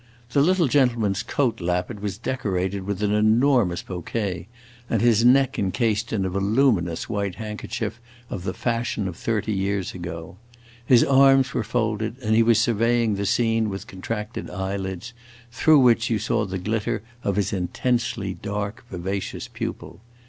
The little gentleman's coat lappet was decorated with an enormous bouquet and his neck encased in a voluminous white handkerchief of the fashion of thirty years ago. His arms were folded, and he was surveying the scene with contracted eyelids, through which you saw the glitter of his intensely dark, vivacious pupil.